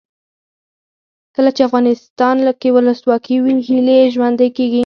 کله چې افغانستان کې ولسواکي وي هیلې ژوندۍ کیږي.